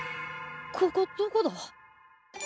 ここどこだ？